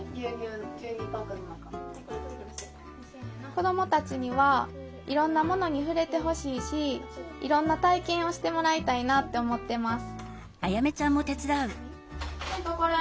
子どもたちにはいろんなものに触れてほしいしいろんな体験をしてもらいたいなって思ってます